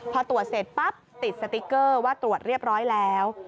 พอตรวจเสร็จปั๊บติดสติ๊กเกอร์ว่าตรวจเรียบร้อยแล้ว